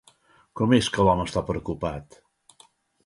Com és que l'home està preocupat?